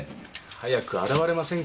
早く現れませんかね